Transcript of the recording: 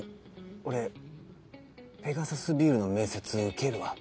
俺ペガサスビールの面接受けるわ。